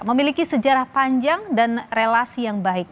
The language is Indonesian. memiliki sejarah panjang dan relasi yang baik